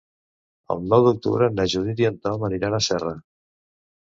El nou d'octubre na Judit i en Tom aniran a Serra.